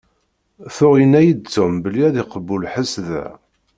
Tuɣ yenna-yi-d Tom belli ad iqewwu lḥess da.